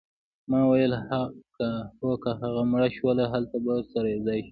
ما وویل هو که مړه شوو هلته به سره یوځای شو